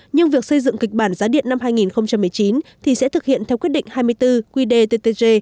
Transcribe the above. nhưng việc xây dựng kịch bản giá điện năm hai nghìn một mươi chín thì sẽ thực hiện theo quyết định hai mươi bốn qdttg